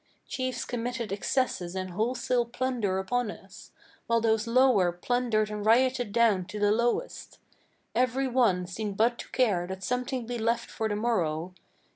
Chiefs committed excesses and wholesale plunder upon us, While those lower plundered and rioted down to the lowest: Every one seemed but to care that something be left for the morrow.